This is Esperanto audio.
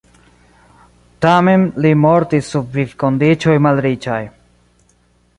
Tamen li mortis sub vivkondiĉoj malriĉaj.